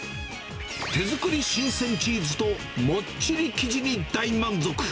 手作り新鮮チーズともっちり生地に大満足。